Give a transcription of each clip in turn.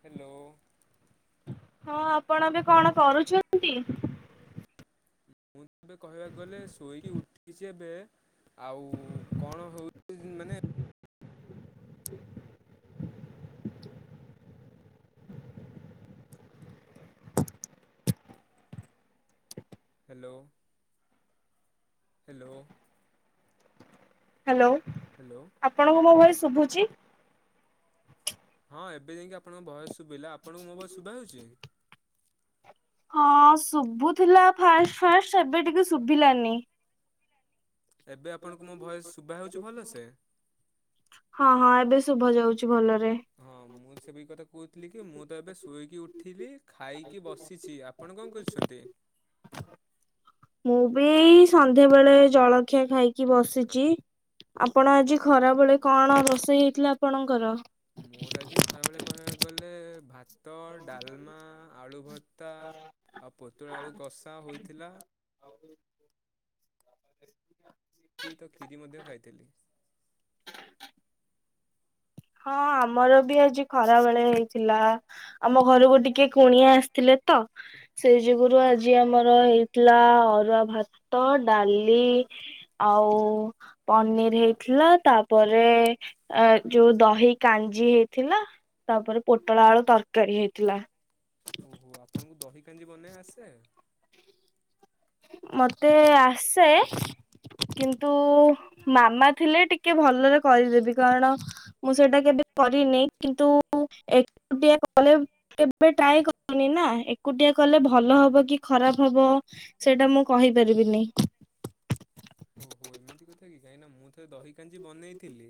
Hello. ହଁ ଆପଣ ବି କଣ କରୁଛନ୍ତି? ମୁଁ ଏବେ କହିବାକୁ ଗଲେ ଶୋଇ ଉଠିଛେ ଏ ବ ଆଉ କଣ ହଉଛି ମାନେ ହ୍ୟାଲୋ? ହ୍ୟାଲୋ? ହ୍ୟାଲୋ ହ୍ୟାଲୋ ଆପଣଙ୍କ ମୋ ଭାଇ ଶୁଭୁଛି ହଁ ଏବେ ଯାଇକି ଆପଣଙ୍କ ବୟସ ଶୁଭିଲା ଆପଣଙ୍କୁ ମୋ ବସ ଶୁଭା ହେଉଛି। ହଁ ଶୁଭୁଥିଲା ଫାଷ୍ଟ ଫାଷ୍ଟ ଏବେ ଟିକେ ଶୁଭିଲାନି। ଏବେ ଆପଣଙ୍କୁ ମୋ ଭୟସ ଶୁଭା ହଉଛି ଭଲ ସେ ଶୁଭ ଯାଉଛି ଭଲ। ହଁ ମୁଁ ସେପ କଥା କହୁଥିଲି କି ମୁଁ ତ ଏବେ ଶୋଇକି ଉଠିଲି ଖାଇକି ବସିଛି, ଆପଣ କଣ କରୁଛନ୍ତି? ମୁ ସନ୍ଧ୍ୟାବେେଳେ ଜଳଖିଆ ଖାଇକି ବସିଛି। ଆପଣ ଆଜି ଖରା ବଳେ କଣ ରୋଷେଇ ହେଇଥିଲା ଆପଣଙ୍କର? ମୋର ଆଜି ଖରାବେଳେ କହିବାକୁ ଗଲେ ତ ଡାଲମା ଆଳୁ ଭତ୍ତା ଆଉ ପୋତଳା ଆଳୁ କଷା ହୋଇଥିଲା। କ ତ କ୍ଷୀରି ମଧ୍ୟ ଖାଇଥିଲି। ହଁ ଆମର ବି ଆଜି ଖରା ବେଳେ ହେଇଥିଲା ଆମ ଘରୁକୁ ଟିକେ କୁଣିଆ ଆସିଥିଲେ। ତ ସେଇ ଯୁଗୁରୁ ଆଜି ଆମର ହେଇଥିଲା ଅରୁଆ ଭାତ ଡାଲି ଆଉ ପନିର ହେଇଥିଲା ତାପରେ ଯୋଉ ଦହି କାଞ୍ଜି ହେଇଥିଲା ତାପରେ ପୋଟଳ ଆଳୁ ତରକାରୀ ହେଇଥିଲା। ଓହୋ ଆପଣଙ୍କୁ ଦହି କାଞ୍ଜି ବନେଇ ଆସେ ମତେ ଆସେ କିନ୍ତୁ ମାମା ଥିଲେ ଟିକେ ଭଲରେ କରିଦେବି କାରଣ ମୁଁ ସେଇଟା କେବେ କରିନି କିନ୍ତୁ ଏକୁଟିଆ କଲେ କେବେ ଟ୍ରାଏ କରନି ନା ଏକୁଟିଆ କଲେ ଭଲ ହବ କି ଖରାପ ହବ ସେଇଟା ମୁଁ କହିପାରିବିନି। କାହିଁକି ନା ମୁଁ ତ ଦହି କାଞ୍ଜି ବନେଇଥିଲି।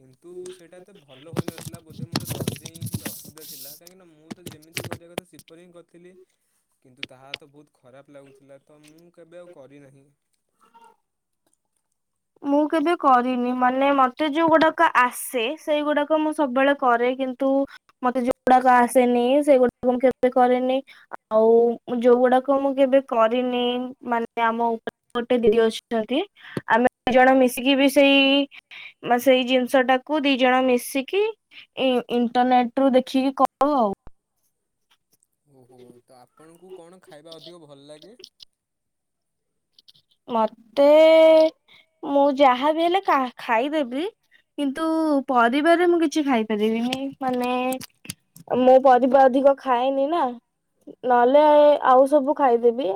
କିନ୍ତୁ ସେଇଟା ଏତେ ଭଲ ହୋଇନଥିଲା ବୋଧେ ମୋର ଦହିରେ ହିଁ କିଛି ଅସୁବିଧା ଥିଲା କାହିଁକି ନା ମୁଁ ତ ଯେମିତି କଥା ସପନ ହିଁ କରିଥିଲି କିନ୍ତୁ ତାହା ତ ବହୁତ ଖରାପ ଲାଗୁଥିଲା ତ ମୁଁ କେବେ ଆଉ କରି ନାହିଁ ମୁଁ କେବେ କରିନି ମାନେ ମତେ ଯୋଉଗୁଡାକ ଆସେ ସେଇଗୁଡାକ ମୁଁ ସବୁବେଳେ କରେ କିନ୍ତୁ ମତେ ଯୋଉଗୁଡାକ ଆସେନି ସେଗୁଡା ମୁଁ କେବେ କରେନି ଆଉ। ମତେ ଯୋଉଗୁଡାକ ମୁଁ କେବେ କରନି, ମନେ ଆମ [unintelligible] ଦି ଜଣ ମିଶିକି ବି ସେଇ ସେଇ ଜିନିଷ ଟାକୁ ଦି ଜଣ ମିଶିକି ଇଣ୍ଟରନେଟ ରୁ ଦେଖିକି କହ ଆଉ ଓହୋ ତ ଆପଣଙ୍କୁ କଣ ଖାଇବା ଅଧିକ ଭଲ ଲାଗେ? ମତେ ମୁଁ ଯାହାବି ହେଲେ ଖାଇଦେବି। କିନ୍ତୁ ପରିବାରେରେ ମୁଁ କିଛି ଖାଇପାରିବିନି ମାନେ ମୋ ପରିବା ଅଧିକ ଖାଏନି ନା। ନହେଲେ ଆଉ ସବୁ ଖାଇଦେବି।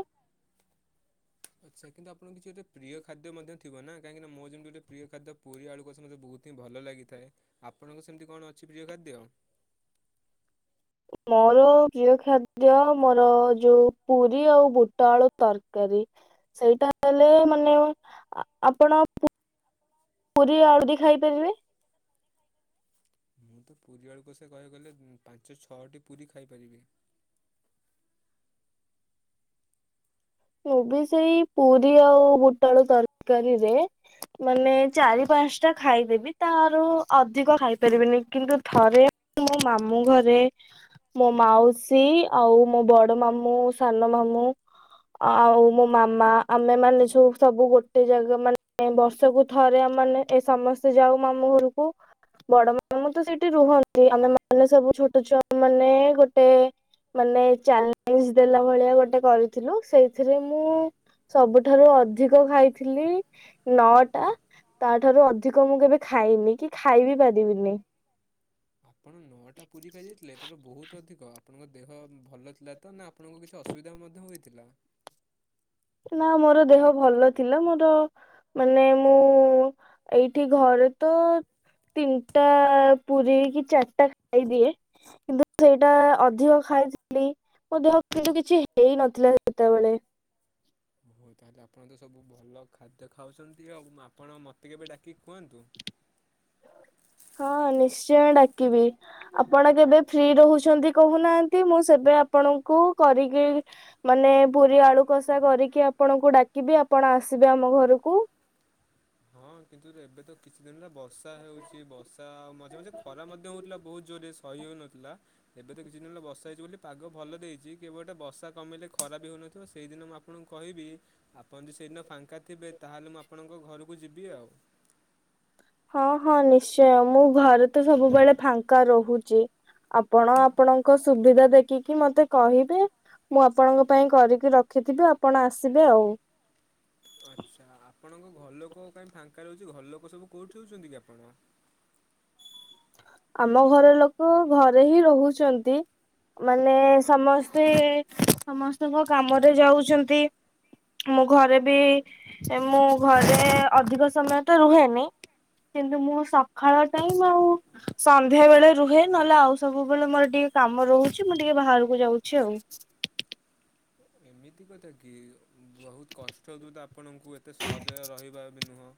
ଆଚ୍ଛା କିନ୍ତୁ ଆପଣଙ୍କ କିଛି ଗୋଟେ ପ୍ରିୟ ଖାଦ୍ୟ ମଧ୍ୟ ଥିବ ନା କାହିଁକିନା ମୋ ଯେମତି ଗୋଟେ ପ୍ରିୟ ଖାଦ୍ୟ ପୁରୀ ଆୁ ସମସ୍ତେ ବହୁତ ହିଁ ଭଲ ଲାଗିଥାଏ ଆପଣଙ୍କ ସେମିତି କଣ ଅଛି ପ ଖାଦ ଆ ହ ମୋର ପ୍ରିୟ ଖାଦ୍ୟ ମୋର ଯୋଉ ପୁରୀ ଆଉ ବୁଟ ଆଳୁ ତରକା ସେଇଟା ହେଲେ ମାନେ ଆପଣ ପୁରୀ ଆଳୁବି ଖାଇପାରିବେ ମୁଁ ତ ପୁରୀ ବଳକୁ ସେ କହିବାକୁ ଗଲେ ପାଞ୍ଚ ଛଅଟି ପୁରୀ ଖାଇପାରିବି। ମୁ ବି ସେଇ ପୁରୀ ଆଉ ବୋଟାଳୁ ତରକାରୀରେ ମାନେ ଚାରି ପାଞ୍ଚ ଟା ଖାଇଦେବି ତାର ଅଧିକ ଖାଇପାରିବିନି କିନ୍ତୁ ଥରେ ମୋ ମାମୁଁ ଘରେ ମୋ ମାଉସୀ ଆଉ ମୋ ବଡ ମାମୁଁ ସାନ ମାମୁଁ ଆଉ ମୋ ମାମା ଆମେ ମାନେ ସୁ ସବୁ ଗୋଟେ ଜାଗା ମାନେ ଏ ବର୍ଷକୁୁ ଥରେ ମାନେ ଏ ସମସ୍ତେ ଯାଉ ମାମୁଁ ଘରକୁ ବଡ ମାନ ତ ସେଇଠି ରୁହନ୍ତି ଆମେ ମାନେ ସବୁ ଛୋଟ ଛୁଆ ମାନେ ଗୋଟେ ମାନେ ଚ୍ୟାଲେଞ୍ଜ ଦେଲା ଭଳିଆ ଗୋଟେ କରିଥିଲୁ ସେଇ ଏଥିରେ ମୁଁ ସବୁଠାରୁ ଅଧିକ ଖାଇଥିଲି ନଅଟା ତା ଠାରୁ ଅଧିକ ମୁଁ କେବେ ଖାଇନି କି ଖାଇ ବିି ପାରିବିନି ଆପଣ ନଅଟା ପୁରୀ ଖାଇଯାଇଥିଲେ ତ ବହୁତ ଅଧିକ ଆପଣଙ୍କ ଦେହ ଭଲ ଥିଲା ତ ନା ଆପଣଙ୍କ କିଛି ଅସୁବିଧା ମଧ୍ୟ ହୋଇଥିଲା। ନା ମୋର ଦେହ ଭଲ ଥିଲା ମୋର ମାନେ ମୁଁ ଏଇଠି ଘରେ ଏ ତ ତିନିଟା ପୀ କି ଚାରିଟା ଖାଇଦିଏ କିନ୍ତୁ ସେଇଟା ଅଧିକ ଖାଇ ଖାଇଥିଲି ମୋ ଦେହ କିନ୍ତୁ କିଛି ହେଇ ନଥିଲା ସେତେବେଳେ ହଉ ତାହେଲେ ଆପଣ ତ ସବୁ ଭଲ ଖାଦ୍ୟ ଖାଉଛନ୍ତି ଆଉ ଆପଣ ମତେ କେବେ ଡାକିକି କୁହନ୍ତୁ। ହ ହଁ ନିଶ୍ଚୟ ଡାକିବି ଆପଣ କେବେ ଫ୍ରି ରହୁଛନ୍ତି କହୁନାହାନ୍ତି ମୁଁ ସେବେ ଆପଣଙ୍କୁ କରିକି ମାନେ ପୁରୀ ଆଳୁ କଷା କରିକି ଆପଣଙ୍କୁ ଡାକିବି ଆପଣ ଆସିବେ ଆମ ଘରକୁ ସେ ଦିନଲା ବର୍ଷା ହେଉଛି ବର୍ଷ ଆଉ ମଝେ ମଝେ ଖରା ମଧ୍ୟ ହେଉଥିଲା ବହୁତ ଜୋରେ କହିହଉନଥିଲା ଏବେ ତ କିଛି ଦିନ ହେଲା ବର୍ା ହେଇଛି ବୋଲି ପାଗ ଭଲ ଦେଇଛି କେବେ ଗଟେ ବର୍ଷା କମିଲେ ଖରାପ ହେଉନଥିଲା। ସେଇଦିନ ମୁଁ ଆପଣଙ୍କୁ କହିବି ଆପଣ ଯଦି ସେଇଦିନ ଫାଙ୍କା ିବେ ତାହେଲେ ମୁଁ ଆପଣଙ୍କ ଘରକୁ ଯିବି ବଓ ହଁ ହଁ ନିଶ୍ଚୟ ମୁଁ ଘରେ ତ ସବୁବେଳେ ଫାଙ୍କା ରହୁଛି ଆପଣ ଆପଣଙ୍କ ସୁବିଧା ଦେଖିକି ମତେ କହିବେ ମୁଁ ଆପଣଙ୍କ ପାଇଁ କରିକି ରଖିଥିବି ଆପଣ ଆସିବେ ଆଉ। ଆଚ୍ଛା ଆପଣଙ୍କ ଘର ଲୋକ କାହିଁ ଫାଙ୍କା ରହୁଛି ଘର ଲୋକ ସବୁ କୋଉଠିଉଛନ୍ତି କି ଆପଣ? ଆମ ଘର ଲୋକ ଘରେ ହିଁ ରହୁଛନ୍ତି। ମାନେ ସମସ୍ତେ ସମସ୍ତଙ୍କ କାମରେ ଯାଉଛନ୍ତି ମୁୋ ଘରେ ବି ମୁଁ ଘରେ ଅଧିକ ସମୟ ତ ରୁହେନି। କିନ୍ତୁ ମୁଁ ସକାଳ ଟାଇମ ଆଉ ସନ୍ଧ୍ୟା ବେଳେ ରୁହେ ନହେଲେ ଆଉ ସବୁବେଳେ ମୋର ଟିକେ କାମ ରହୁଛି ମୁଁ ଟିକେ ବାହାରକୁ ଯାଉଛି ଆଉ। ଏମିତି କଥା କି ବହୁତ କଷ୍ଟ ଦ ତ ଆପଣଙ୍କୁ ଏତେ ସହଜ ରହିବା ବି ନୁହେଁ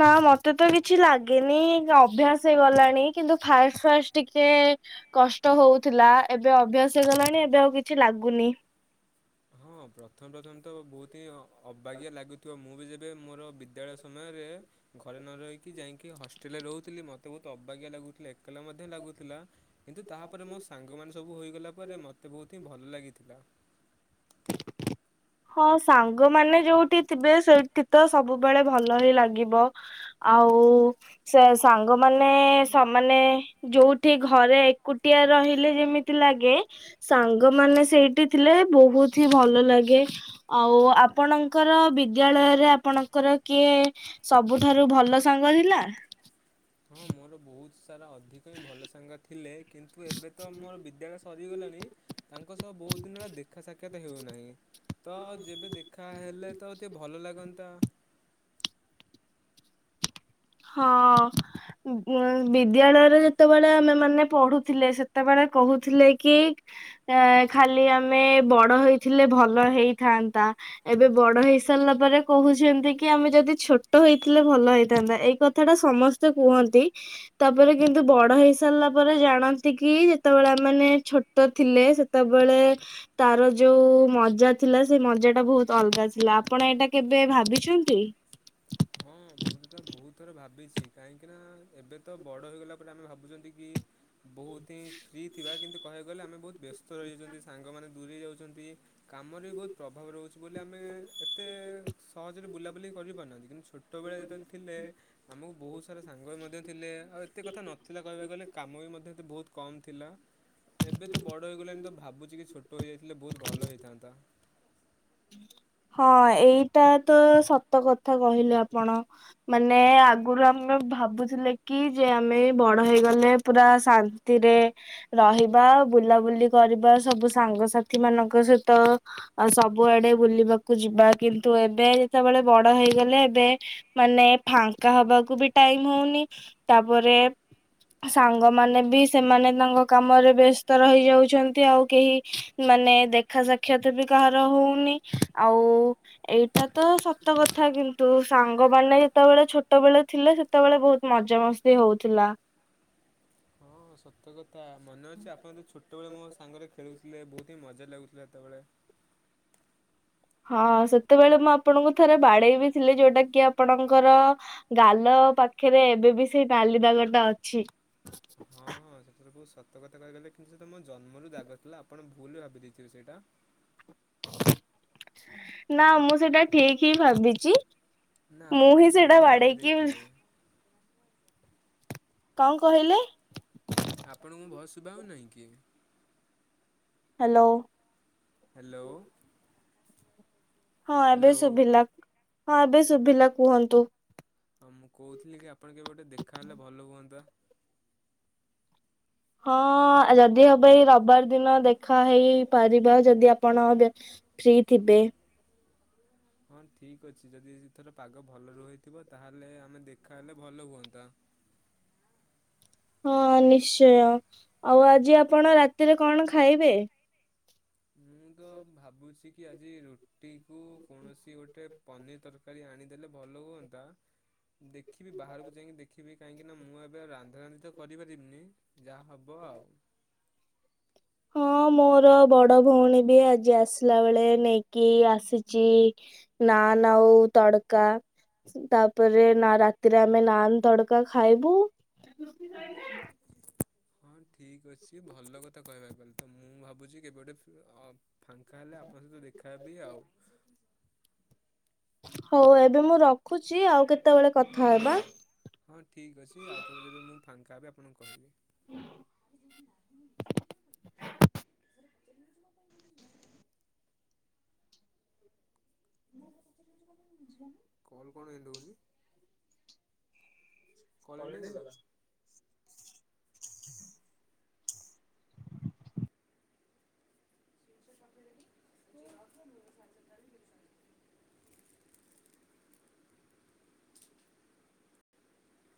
ନା ମତେ ତ କିଛି ଲାଗେନି ଅଭ୍ୟାସ ହେଇଗଲାଣି କିନ୍ତୁ ଫାଷ୍ଟ ଫାଷ୍ଟ ଟିକେ। କଷ୍ଟ ହଉଥିଲା ଏବେ ଅଭ୍ୟାସ ହେଇଗଲାଣି ଏବେ ଆଉ କିଛି ଲାଗୁନି। [inaudible] ହଁ ପ୍ରଥମ ପ୍ରଥମେ ତ ବହୁତ ହିଁ ଅବାଗିଆ ଲାଗୁଥିବ ମୁଁ ଯେବେ ମୋର ବିଦ୍ୟାଳୟ ସମୟରେ ଘରେ ନ ରହିକି ଯାଇକି ହଷ୍ଟେଲ ରେ ରହୁଥିଲି ମତେ ବହୁତ ଅବା ଆ ଲାଗୁଥିଲା ଏକଲା ମଧ୍ୟ ଲାଗୁଥିଲା। କିନ୍ତୁ ତାପରେ ମୋ ସାଙ୍ଗମାନେ ସବୁ ହୋଇଗଲା ପରେ ମୋତେ ବହୁତ ହିଁ ଭଲ ଲାଗିଥିଲା। [inaudible] ହଁ ସାଙ୍ଗମାନେ ଯୋଉଠି ଥିବେ ସେଇଠି ତ ସବୁବେଳେ ଭଲ ହିଁ ଲାଗିବ ଆଉ ଆଉ ସେ ସାଙ୍ଗମାନେ ସେମାନେ ଯୋଉଠି ଘରେ ଏକୁଟିଆ ରହି ଯେମିତି ଲାଗେ ସାଙ୍ଗମାନେ ସେଇଠି ଥିଲେ ବହୁତ ଭଲ ଲାଗେ ଆଉ ଆପଣଙ୍କର ବିଦ୍ୟାଳୟରେ ଆପଣଙ୍କର କିଏ ସବୁଠାରୁ ଭଲ ସାଙ୍ଗ ଥହେଲା? ହଁ ମୋର [inaudible] ଅଧିକ ହି ଭଲ ସାଙ୍ଗ ଥିଲେ କିନ୍ତୁ ଏବେ ତ ମୋର ବିଦ୍ୟାଳୟ ସରିଗଲାଣି ତାଙ୍କ ସହ ବୁ କେଉଁ ଦିନ ହେଲା ଦେଖା ସାକ୍ଷାତ ହେଉନାହିଁ ତ ଯେବେ ଦେଖା ହେଲେ ତ ଟିକଏ ଭଲ ଲାଗନ୍ତା ହଁ। ଉ ବିଦ୍ୟାଳୟରେ ଯେତେବେଳେ ଆମେ ମାନେ ପଢୁଥିଲେ ସେତେବେଳେ କହୁଥିଲେ କି ଏ ଖାଲି ଆମେ ବଡ ହେଇଥିଲେ ଭଲ ହେଇଥାନ୍ତା ଏବେ ବଡ ହେଇସ ସାରିଲା ପରେ କହୁଛନ୍ତି କି ଆମେ ଯଦି ଛୋଟ ହେଇଥିଲେ ଭଲ ହେଇଥାନ୍ତା। କଥା ଟା ସମସ୍ତେ କୁହନ୍ତି ତାପରେ କିନ୍ତୁ ବଡ ହେଇସାରିଲା ପରେ ଜାଣନ୍ତି କି ଯେତେବେଳେ ମାନେ ଛୋଟ ଥିଲେ ସେତେବେଳେ ତାର ଯୋଉ ମଜା ଥିଲା ସେ ମଜାଟା ବହୁତ ଅଲଗା ଥିଲା ଆପଣ ଏଇଟା କେବେ ଭାବିଛନ୍ତି? ହଁ। ମୁଁ ତ ତ ବହୁତ ଥର ଭାବିଛି କାହିଁକିନା ଏବେ ତ ବଡ଼ ହୋଇଗଲା ପରେ ଆମେ ଭାବୁଛନ୍ତି କି ବହୁତ ହିଁ ଫ୍ରି ଥିବା କିନ୍ତୁ କହିବାକୁ ଗଲେ ଆମେ ବହୁତ ବ୍ୟସ୍ତ ରହିଯାଇଛନ୍ତି ସାଙ୍ଗମାନେ ଦୂରେଇ ଯାଉଛନ୍ତି କାମରେ ବି ବହୁତ ପ୍ରଭାବ ରହୁଛି ବୋଲି ଆମେ ଏତେ ସହଜରେ ବୁଲାବୁଲି କରିପାରୁନାହାନ୍ତି କିନ୍ତୁ ଛୋଟବେଳେ ଯେତେବେଳେ ଥିଲେ ଆମକୁ ବହୁତ ସାରା ସାଙ୍ଗ ମଧ୍ୟ ଥିଲେ ଆଉ ଏତେ କଥା ନଥିଲା କହିବାକୁ ଗଲେ କାମ ବି ମଧ୍ୟ ଏତେ ବହୁତ କମ୍ ଥିଲା ଏବେ ତ ବଡ଼ ହେଇଗଲାଣି ତ ଭାବୁଛି କି ଛୋଟ ଟ ହେଯାଇଥିଲେ ବହୁତ ଭଲ ହେଇଥାନ୍ତା। ହଁ ଏଇଟା ତ ସତ କଥା କହିଲେ ଆପଣ ମାନେ ଆଗରୁ ଆେ ଭାବୁଥିଲେ କି ଯେ ଆମେ ବଡ ହେଇଗଲେ ପୁରା ଶାନ୍ତିରେ ରହିବା। ବୁଲାବୁଲି କରିବା ସବୁ ସାଙ୍ଗସାଥି ମାନଙ୍କ ସହିତ ସବୁଆଡେ ବୁଲିବାକୁ ଯିବା କିନ୍ତୁ ଏବେ ଯେତେବେଳେ ବଡ ହେଇଗଲେ ଏବେ ମାନେ ଫାଙ୍କା ହବାକୁ ବି ଟା ଇମ୍ ହଉନି ତାପରେ ସାଙ୍ଗମାନେ ବି ସେମାନେ ତାଙ୍କ କାମରେ ବ୍ୟସ୍ତ ରହିଯାଉଛନ୍ତି ଆଉ କେହି ମାନେ ଦେଖା ସାକ୍ଷାତ ବି କାହାର ହଉନି। ଆଉ ଏଇଟା ତ ସତ କଥା କିନ୍ତୁ ସାଙ୍ଗମାନେ ଯେତେବେଳେ ଛୋଟବେଳେ ଥିଲେ ସେତେବେଳେ ବହୁତ ମଜ ମସ୍ତି ହଉଥିଲା। ହଁ ସତ୍ୟ କଥା ମନେ ଅଛି ଆପଣ ଯି ଛୋଟବେଳେ ମୋ ସାଙ୍ଗରେ ଖେଳୁଥିଲେ ବହୁତ ହିଁ ମଜା ଲାଗୁଥିଲେ ସେତେବେଳେ ହଁ ସେତେବେଳେ ମୁଁ ଆପଣଙ୍କୁ ଥରେ ବାଡେଇ ବି ଥିଲି ଯୋଉଟା କି ଆପଣଙ୍କର ଗାଲ ପାଖରେ ଏବେ ବି ସେଇ ନାଲି ଦାଗ ଟା ଅଛି। ହଁ ହଁ ସେଥିରେ ସତ କଥା କହିଗଲେ କିନ୍ତୁ ସେ ତ ମୋ ଜନ୍ମରୁ ଦାଗ ଥିଲା ଆପଣ ଭୁଲ ଭାବି ଦେଇେଇଥିବେ ସେଇଟା ନା ମୁଁ ସେଇଟା ଠିକ ହିଁ ଭାବିଛି। ନା ମୁଁ ଆପଣ ହିଁ ତା ସେଇଟା ଭୁଲ ଭାବି ବାଡେଇକି ଦେଇଥିବେ କଣ କହିଲେ ଆପଣଙ୍କୁ ଭୟସ ଶୁଭା ହଉ ନାହିଁ କି? ହ୍ୟାଲୋ। ହ୍ୟାଲୋ। ହଁ ଏବେ ହ୍ୟାଲୋ ଶୁଭିଲା ହଁ ଏବେ ଶୁଭିଲା କୁହନ୍ତୁ। ହୋଉ ମୁଁ କହୁଥିଲି କି ଆପଣ କେବେ ଗୋଟେ ଦେଖାହେଲେ ଭଲ ହୁଅନ୍ତା। ହଁ ଯଦି ହବ ଏଇ ରବିବାର ଦିନ ଦେଖା ହେଇପାରିବା ଯଦି ଆପଣ ବ୍ୟ ଫ୍ରି ଥିବେ। ହଁ ଠିକ୍ ଅଛି ଯଦି ଏଥର ପାଗ ଭଲ ରୁହିଥିବ ତାହେଲେ ଆମେ ଦେଖାହଲେ ଭଲ ହୁଅନ୍ତା ହଁ ନିଶ୍ଚୟ। ଆଉ ଆଜି ଆପଣ ରାତିରେ କଣ ଖାଇବେ? ଭାବୁଚି କି ଆଜି ରୁଟି କୁ କୌଣସି ଗୋଟେ ପନିର ତରକାରୀ ଆଣିଦେଲେ ଭଲ ହୁ ନ୍ତା। ଦେଖିବି ବାହାରକୁ ଯାଇକି ଦେଖିବି କାହିଁକି ନା ମୁଁ ଏବେ ରାନ୍ଧାରାନ୍ଧି ତ କରିପାରିବିନି। ଯାହା ହେବ ଆଉ। ହଁ ମୋର ବଡ ଭଉଣୀ ବି ଆଜି ଆସିଲା ବେଳେ ନେଇକି ଆସିଛି। ନାନ ଆଉ ତଡକା। ତାପରେ ନା ରାତିରେ ଆମେ ନାନ୍ ତଡକା ଖାଇବୁ। ଆକୃତି ଶୋଇଲା। ଠିକ ଅଛି ଭଲ କଥା କହିବାକୁ ଗଲେ ତ ମୁଁ ଭାବୁଛି କେବେ ଗୋଟେ- ଫାଙ୍କା ହେଲେ ଆପଣଙ୍କ ସହିତ ଦେଖାହବି ଆଉ। ହଉ ଏବେ ମୁଁ ରଖୁଛି ଆଉ କେତେବେଳେ କଥା ହେବା। ହଁ ଠିକ୍ ଅଛି ଆଉ କେବେ ଯେବେ ମୁଁ ଫାଙ୍କା ହେଲେ ଆପଣଙ୍କୁ କହିବି। [inaudible] [unintelligible] କଲ୍ ଏଣ୍ଡ କ୍ୱାଲିଟୀ ହେଇଗଲା? ହେଲା। [unintelligible] [inaudible]